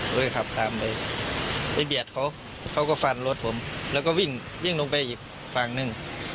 ก็เลยขับตามไปไปเบียดเขาเขาก็ฟันรถผมแล้วก็วิ่งวิ่งลงไปอีกฝั่งหนึ่ง